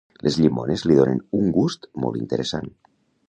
Les llimones li donen un gust molt interessant.